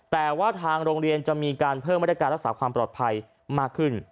แต่ว่าทางโรงเรียนจะมีการเพิ่มมาตรการรักษาความปลอดภัยมากขึ้น